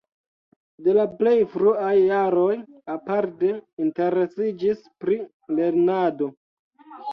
De la plej fruaj jaroj aparte interesiĝis pri lernado.